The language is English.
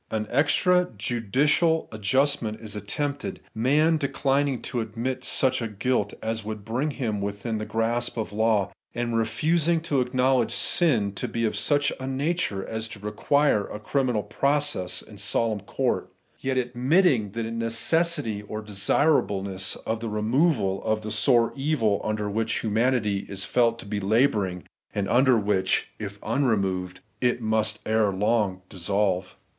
An extra judicial adjustment is attempted ; man declining to admit such a guilt as would bring him within the grasp of law, and refusing to acknowledge sin to be of such a nature as to require a criminal process in solemn court; yet admitting the necessity or desirableness of the removal of the sore evil under which humanity is felt to be labouring, and under which, if unremoved, it must ere long dissolve.